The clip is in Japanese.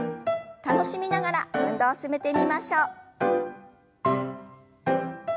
楽しみながら運動を進めてみましょう。